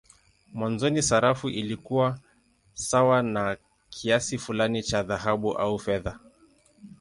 Mwanzoni sarafu ilikuwa sawa na kiasi fulani cha dhahabu au fedha.